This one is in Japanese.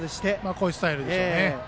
こういうスタイルでしょう。